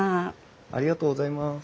ありがとうございます。